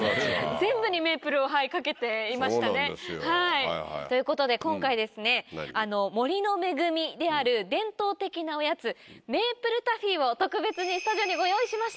全部にメープルをかけていましたね。ということで今回ですね森の恵みである伝統的なおやつメープルタフィーを特別にスタジオにご用意しました。